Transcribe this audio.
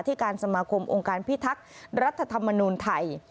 ที่การสมาคมองค์การพิทักษ์รัฐธรรมนูลไทย